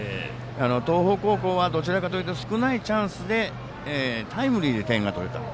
東邦高校は、どちらかというと少ないチャンスでタイムリーで点が取れた。